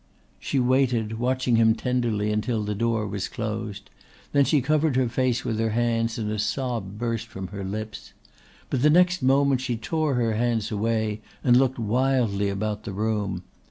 She waited, watching him tenderly until the door was closed. Then she covered her face with her hands and a sob burst from her lips. But the next moment she tore her hands away and looked wildly about the room.